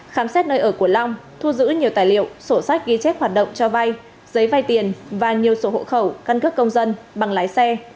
khám xét nơi ở của long thu giữ nhiều tài liệu sổ sách ghi chép hoạt động cho vay giấy vay tiền và nhiều sổ hộ khẩu căn cước công dân bằng lái xe